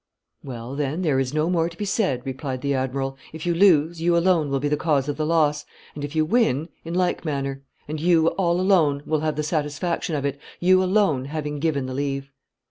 'Well, then, there is no more to be said,' replied the admiral; 'if you lose, you alone will be the cause of the loss; and, if you win, in like manner; and you, all alone, will have the satisfaction of it, you alone having given the leave.